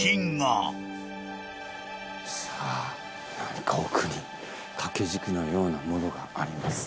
さあ何か奥に掛け軸のようなものがあります。